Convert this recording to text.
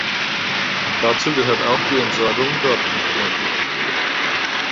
Dazu gehört auch die Entsorgung Dortmund GmbH.